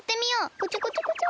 こちょこちょこちょ。